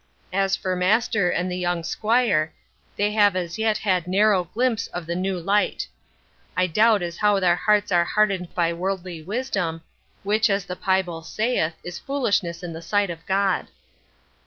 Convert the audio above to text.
As for master and the young 'squire, they have as yet had narro glimpse of the new light. I doubt as how their harts are hardened by worldly wisdom, which, as the pyebill saith, is foolishness in the sight of God.